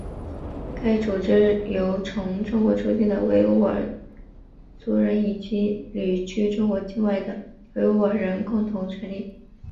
该组织由从中国出境的维吾尔族人以及旅居中国境外的维吾尔人共同成立。